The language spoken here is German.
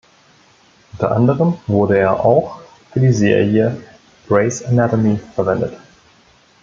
Unter anderem wurde er auch für die Serie Grey’s Anatomy verwendet.